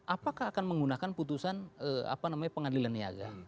apakah akan menggunakan putusan pengadilan niaga